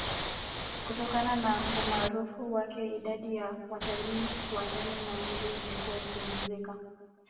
Kutokana na umaarufu wake idadi ya watalii wa ndani na nje imekuwa ikiongezeka